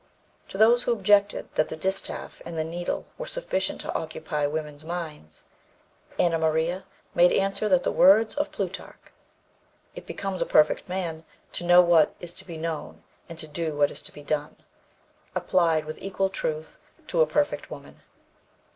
To those who objected that the distaff and the needle were sufficient to occupy women's minds, Anna Maria made answer that the words of Plutarch "It becomes a perfect man to know what is to be known and to do what is to be done" applied with equal truth to a perfect woman.